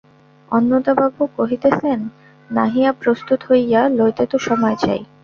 অন্নদাবাবু কহিতেছেন, নাহিয়া প্রস্তুত হইয়া লইতে তো সময় চাই।